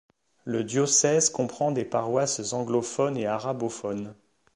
Le diocèse comprend des paroisses anglophones et arabophones.